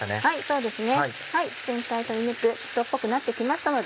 そうですね。